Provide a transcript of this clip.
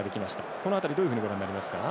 この辺り、どういうふうにご覧になりますか？